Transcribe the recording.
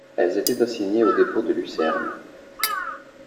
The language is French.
Elles étaient assignées au dépôt de Lucerne.